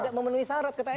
tidak memenuhi syarat kata mk